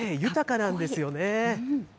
個性豊かなんですよね。